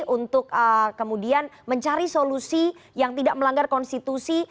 untuk kemudian mencari solusi yang tidak melanggar konstitusi